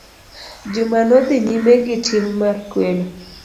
Juma nodhi nyime gitim mar kwelo.